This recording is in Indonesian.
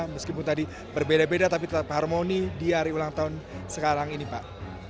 meskipun tadi berbeda beda tapi tetap harmoni di hari ulang tahun sekarang ini pak